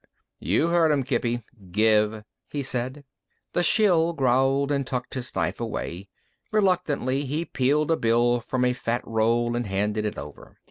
"You heard 'em, Kippy. Give," he said. The shill growled but tucked his knife away. Reluctantly he peeled a bill from a fat roll and handed it over.